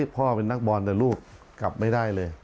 พ่อเป็นนักบอลแต่ลูกกลับไม่ได้เลย